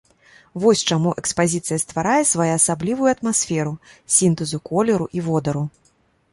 Вось чаму экспазіцыя стварае своеасаблівую атмасферу сінтэзу колеру і водару.